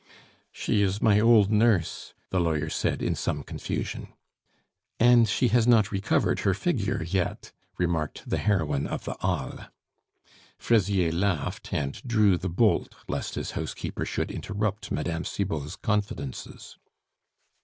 "She is my old nurse," the lawyer said in some confusion. "And she has not recovered her figure yet," remarked the heroine of the Halles. Fraisier laughed, and drew the bolt lest his housekeeper should interrupt Mme. Cibot's confidences.